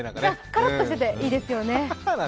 カラッとしてていいですね。